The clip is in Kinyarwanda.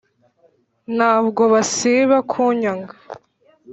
ntabwo basiba kunyaga.